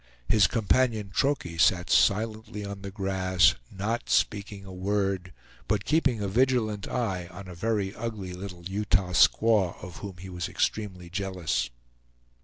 His companion Troche sat silently on the grass, not speaking a word, but keeping a vigilant eye on a very ugly little Utah squaw, of whom he was extremely jealous.